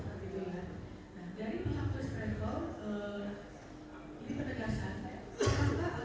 yang kurang lebih saya dengar seperti itu